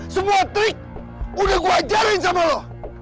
semua trik udah gue ajarin sama lo